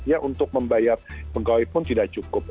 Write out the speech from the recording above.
ya untuk membayar pegawai pun tidak cukup